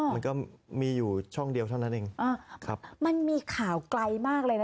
มันก็มีอยู่ช่องเดียวเท่านั้นเองอ่าครับมันมีข่าวไกลมากเลยนะ